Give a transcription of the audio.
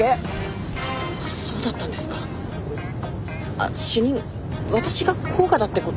あっ主任私が甲賀だってことは。